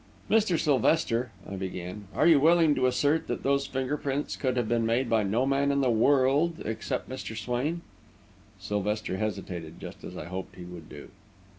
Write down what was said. "Mr. Sylvester," I began, "are you willing to assert that those finger prints could have been made by no man in the world except Mr. Swain?" Sylvester hesitated, just as I hoped he would do.